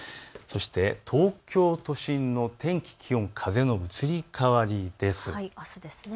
東京都心の天気、気温、風の移り変わりです。